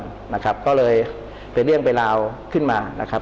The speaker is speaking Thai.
แต่หลังจากนั้นก็มีการเปลี่ยนแปลงคำเมตต์การ